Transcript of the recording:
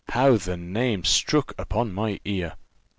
how the name struck upon my ear!